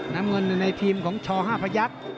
น้ำเงินในพิมพ์ของช้อห้าพระยักษ์